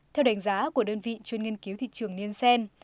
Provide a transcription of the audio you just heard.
theo đánh giá của đơn vị chuyên nghiên cứu thị trường nien sen